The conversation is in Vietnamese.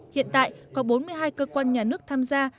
hiện tại có bốn mươi hai cơ quan nhà nước tham gia